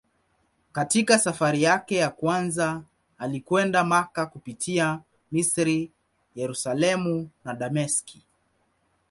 Katika safari yake ya kwanza alikwenda Makka kupitia Misri, Yerusalemu na Dameski.